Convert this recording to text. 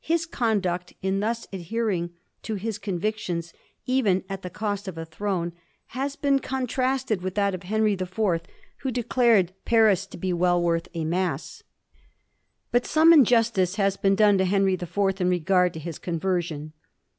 His conduct in thus adhering to his con victions, even at the cost of a throne, has been con trasted with that of Henry the Fourth, who declared Digiti zed by Google 1714 ANNE'S SYMPATHIES. 17 Paris to be * well worth a mass.' Bat some injustice has been done to Henry the Fourth in regard to his conversion.